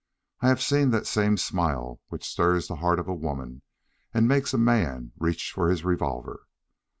I have seen that same smile which stirs the heart of a woman and makes a man reach for his revolver.